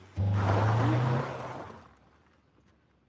Buyurun hanımefendi.